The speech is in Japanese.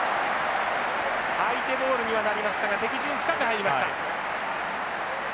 相手ボールにはなりましたが敵陣深く入りました。